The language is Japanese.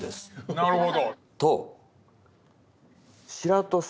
なるほど。